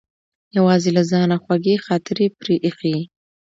یوازې له ځانه خوږې خاطرې پرې ایښې.